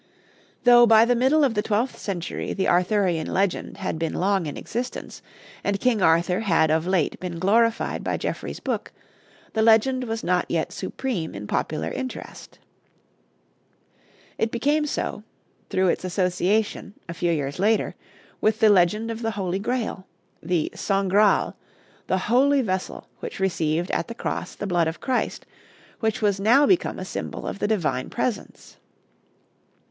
Though by the middle of the twelfth century the Arthurian legend had been long in existence, and King Arthur had of late been glorified by Geoffrey's book, the legend was not yet supreme in popular interest. It became so through its association, a few years later, with the legend of the Holy Grail, the San Graal, the holy vessel which received at the Cross the blood of Christ, which was now become a symbol of the Divine Presence.